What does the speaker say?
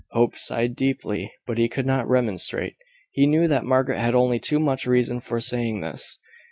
Hope sighed deeply, but he could not remonstrate. He knew that Margaret had only too much reason for saying this.